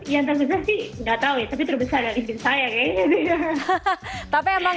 yang terbesar sih gak tau ya tapi terbesar dari tim saya kayaknya